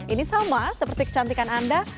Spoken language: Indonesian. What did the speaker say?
ini sama seperti kecantikan anda